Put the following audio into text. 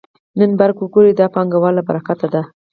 نن برېښنا وګورئ دا د پانګوالو له برکته ده